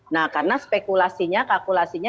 nah karena spekulasinya